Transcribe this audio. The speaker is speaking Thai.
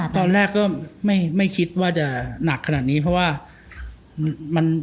ตอนแรกก็ไม่คิดว่าจะหนักขนาดนี้เพราะว่ามัน